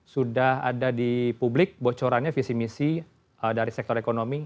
sudah ada di publik bocorannya visi misi dari sektor ekonomi